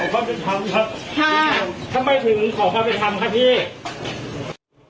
ความเป็นธรรมครับค่ะทำไมถึงขอความเป็นธรรมคะพี่